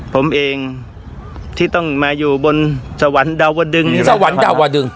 ผมเองที่ต้องมาอยู่บนสวรรค์ดาวดึงหรือสวรรค์ดาวดึง